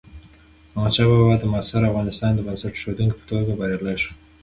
احمدشاه بابا د معاصر افغانستان د بنسټ ایښودونکي په توګه بریالی شو.